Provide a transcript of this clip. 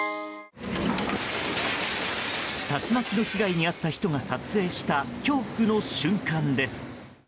竜巻の被害に遭った人が撮影した恐怖の瞬間です。